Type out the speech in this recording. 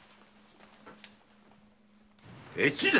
越前